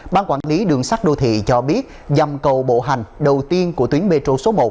ban quản lý đường sắt đô thị cho biết dầm cầu bộ hành đầu tiên của tuyến metro số một